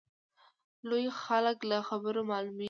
لوی خلک له خبرو معلومیږي.